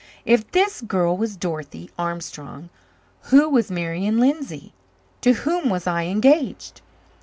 If this girl was Dorothy Armstrong who was Marian Lindsay? To whom was I engaged?